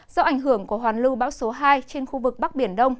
do ảnh hưởng của hoàn lưu bão số hai trên khu vực bắc biển đông